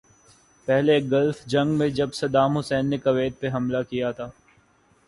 پہلی گلف جنگ میں جب صدام حسین نے کویت پہ حملہ کیا تھا۔